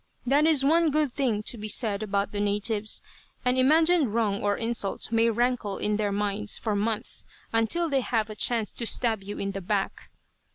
That is one good thing to be said about the natives. An imagined wrong or insult may rankle in their minds for months, until they have a chance to stab you in the back.